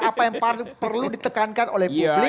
apa yang perlu ditekankan oleh publik